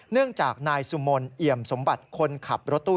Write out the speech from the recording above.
เนื่องจากนายสูมนิ่มสมบัติคนใครขับรถตู้